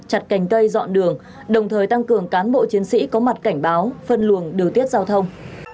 chặt cành cây dọn đường đồng thời tăng cường cán bộ chiến sĩ có mặt cảnh báo phân luồng điều tiết giao thông